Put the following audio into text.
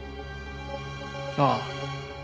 ああ。